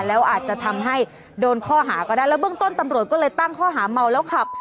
แล้วอาจจะทำให้โดนข้อหาก็ได้แล้วเบื้องต้นตำรวจก็เลยตั้งข้อหาเมาแล้วขับ